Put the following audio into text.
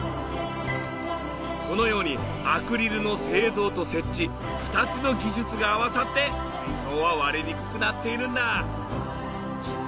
このようにアクリルの製造と設置２つの技術が合わさって水槽は割れにくくなっているんだ。